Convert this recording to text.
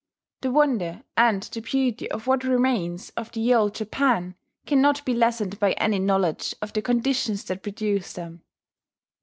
The wonder and the beauty of what remains of the Old Japan cannot be lessened by any knowledge of the conditions that produced them.